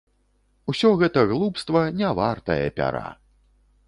Усё гэта глупства, не вартае пяра.